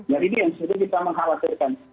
jadi ini yang sudah kita mengharapkan